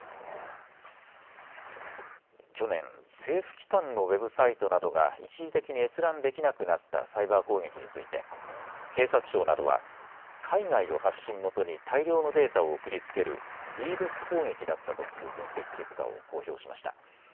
去年、政府機関のウェブサイトなどが一時的に閲覧できなくなったサイバー攻撃について、警察庁などは海外を発信元に大量のデータを送りつけるＤＤｏｓ攻撃だったとする分析結果を公表しました。